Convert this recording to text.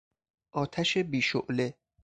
آتش بی شعله